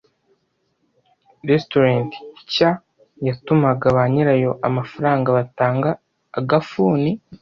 Restaurant nshya yatumaga ba nyirayo amafaranga batanga agafuni.